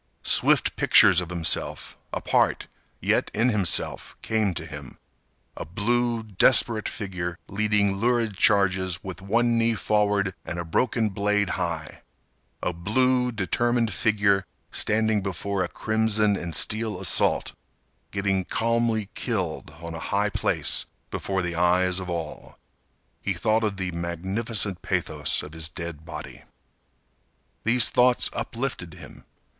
Swift pictures of himself, apart, yet in himself, came to him—a blue desperate figure leading lurid charges with one knee forward and a broken blade high—a blue, determined figure standing before a crimson and steel assault, getting calmly killed on a high place before the eyes of all. He thought of the magnificent pathos of his dead body. These thoughts uplifted him.